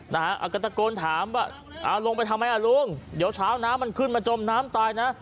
อาก็ตะโกนถามว่าเอาลงไปทำไมอ่ะลุงเดี๋ยวเช้าน้ำมันขึ้นมาจมน้ำตายนะ